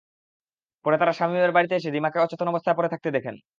পরে তাঁরা শামীমের বাড়িতে এসে রিমাকে অচেতন অবস্থায় পড়ে থাকতে দেখেন।